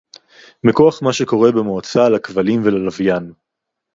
מכוח מה שקורה במועצה לכבלים וללוויין